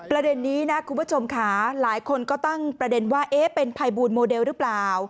ประเด็นนี้นะคุณผู้ชมค่ะหลายคนก็ตั้งประเด็นว่าเอ๊ะเป็นภัยบูลโมเดลหรือเปล่า